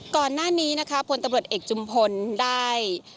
ก่อนหน้านี้นะคะพลตำรวจเอกจุมพลได้